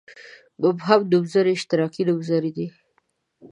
مبهم نومځري اشتراکي نومځري دي.